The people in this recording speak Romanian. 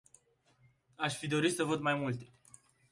Aș fi dorit să văd mai multe.